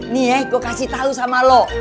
nih ya gue kasih tau sama lo